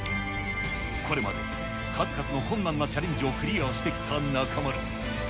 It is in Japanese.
これまで数々の困難なチャレンジをクリアしてきた中丸。